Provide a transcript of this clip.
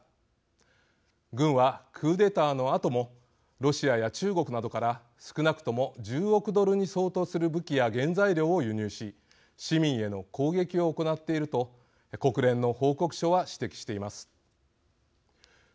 軍はクーデターのあともロシアや中国などから少なくとも１０億ドルに相当する武器や原材料を輸入し市民への攻撃を行っていると国連の報告書は指摘しています。